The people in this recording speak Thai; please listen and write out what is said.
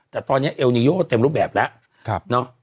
แต่ตอนนี้เอลนิโยเต็มรูปแบบแล้ว